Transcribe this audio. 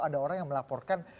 ada orang yang melaporkan